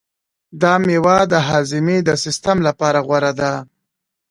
دا مېوه د هاضمې د سیستم لپاره غوره ده.